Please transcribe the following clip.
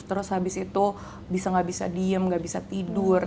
terus habis itu bisa nggak bisa diem nggak bisa tidur